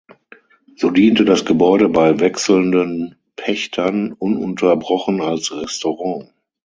So diente das Gebäude bei wechselnden Pächtern ununterbrochen als Restaurant.